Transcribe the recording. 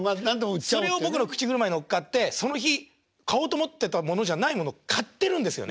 それを僕の口車に乗っかってその日買おうと思ってたものじゃないものを買ってるんですよね。